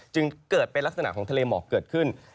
จึงเกิดเป็นลักษณะของทะเลหมอกเกิดขึ้น